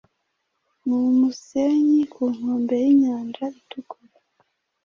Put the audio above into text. Ni umusenyi ku nkombe y'Inyanja Itukura,